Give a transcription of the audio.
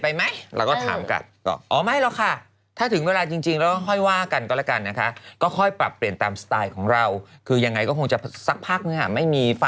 อีกหนึ่งเรื่องค่ะ